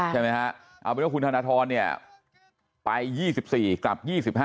ใช่ไหมฮะเอาเป็นว่าคุณธนทรเนี่ยไป๒๔กลับ๒๕